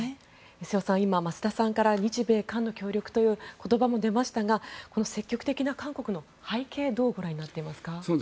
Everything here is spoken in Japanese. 瀬尾さん、今増田さんから日米韓の協力という言葉も出ましたがこの積極的な韓国の背景をどうご覧になっていますか。